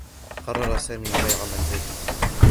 قرّر سامي بيع منزله.